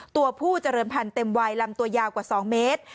ตัวผู้เจริญพันธุ์เต็มวัยลำตัวยาวกว่า๒เมตร